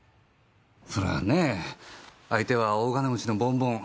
そりゃあねぇ相手は大金持ちのぼんぼん。